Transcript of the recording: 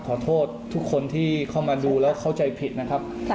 ขอโทษทุกคนที่เข้ามาดูแล้วเข้าใจผิดนะครับ